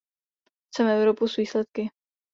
Chceme Evropu s výsledky.